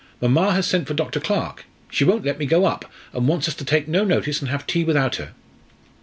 "Mamma has sent for Dr. Clarke. She won't let me go up, and wants us to take no notice and have tea without her."